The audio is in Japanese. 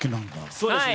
そうですね。